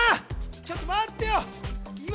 ちょっと待ってよ！